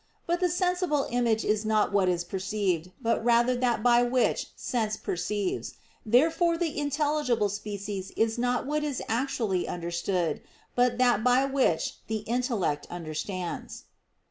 But the sensible image is not what is perceived, but rather that by which sense perceives. Therefore the intelligible species is not what is actually understood, but that by which the intellect understands.